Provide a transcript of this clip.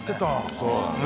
そうだね。